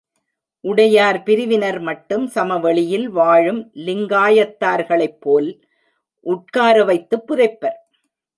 உடையார் பிரிவினர் மட்டும், சமவெளியில் வாழும் லிங்காயத்தார்களைப்போல் உட்கார வைத்துப் புதைப்பர்.